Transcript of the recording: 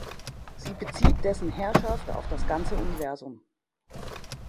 Sie bezieht dessen Herrschaft auf das ganze Universum.